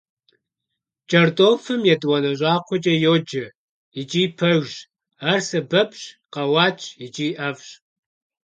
КӀэртӀофым «етӀуанэ щӀакхъуэкӀэ» йоджэ, икӀи пэжщ, ар сэбэпщ, къэуатщ икӀи ӀэфӀщ.